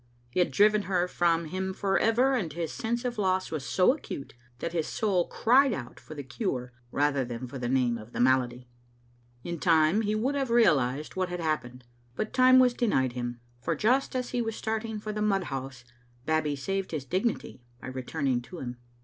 He had driven her from him for ever, and his sense of loss was so acute that his soul cried out for the cure rather than for the name of th# malady. In time he would have realised what had happened, but time was denied him, for just as he was starting for the mud house Babbie saved his dignity by returning to him.